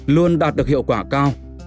luôn đạt được hiệu quả cao